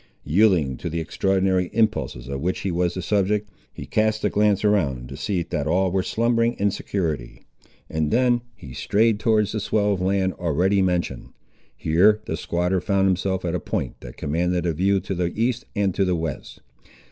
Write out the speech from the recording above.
Yielding to the extraordinary impulses of which he was the subject, he cast a glance around, to see that all were slumbering in security, and then he strayed towards the swell of land already mentioned. Here the squatter found himself at a point that commanded a view to the east and to the west.